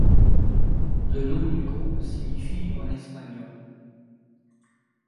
Le nom du groupe signifie en espagnol.